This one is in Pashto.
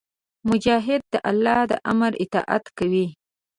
مجاهد د الله د امر اطاعت کوي.